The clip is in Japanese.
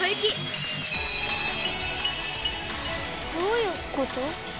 どういうこと？